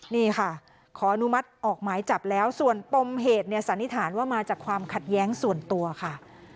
นี่ค่ะขออนุมัติออกหมายจับแล้วส่วนปมเหตุเนี่ยสันนิษฐานว่ามาจากความขัดแย้งส่วนตัวค่ะ